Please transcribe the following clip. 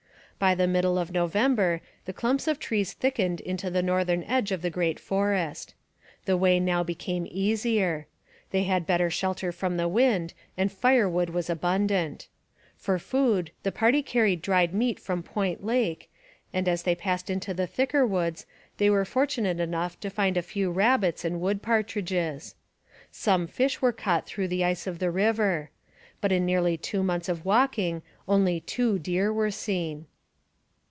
By the middle of November the clumps of trees thickened into the northern edge of the great forest. The way now became easier. They had better shelter from the wind, and firewood was abundant. For food the party carried dried meat from Point Lake, and as they passed into the thicker woods they were fortunate enough to find a few rabbits and wood partridges. Some fish were caught through the ice of the river. But in nearly two months of walking only two deer were seen.